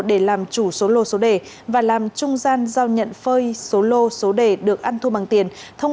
để làm chủ số lô số đề và làm trung gian giao nhận phơi số lô số đề được ăn thu bằng tiền